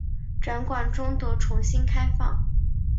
展馆终得重新开放。